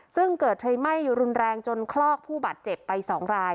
ซึ่งเกิดไฟไหม้รุนแรงจนคลอกผู้บาดเจ็บไป๒ราย